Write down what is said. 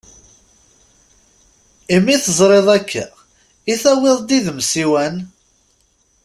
Imi tezriḍ akka i tawiḍ-d id-m ssiwan!